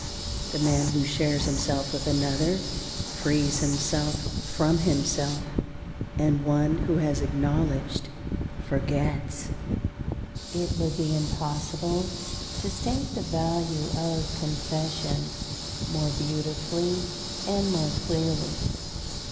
(The man who shares himself with another frees himself from himself; and one who has acknowledged, forgets.) It would be impossible to state the value of confession more beautifully and more clearly.